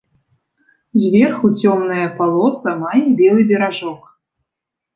Зверху цёмная палоса мае белы беражок.